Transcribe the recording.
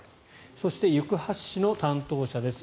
そして、行橋市の担当者です。